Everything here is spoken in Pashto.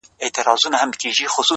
ځکه چي ماته يې زړگی ويلی ـ